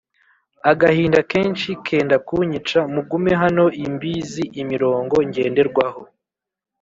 agahinda kenshi kenda kunyica Mugume hano imbizi imirongo ngenderwaho